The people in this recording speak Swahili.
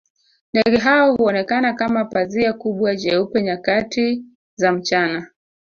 Ndege hao huonekana kama pazia kubwa jeupe nyakati za mchana